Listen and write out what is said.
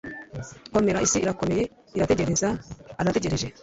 komera, isi irakomeye, irategereza - arategereje